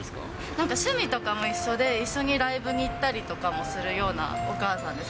なんか、趣味とかも一緒で、一緒にライブに行ったりとかもするようなお母さんです。